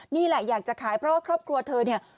นี่แหละอยากจะขายเพราะว่าครอบครัวเธอเนี่ย